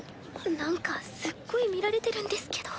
なんかすっごい見られてるんですけど。